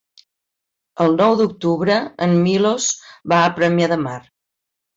El nou d'octubre en Milos va a Premià de Mar.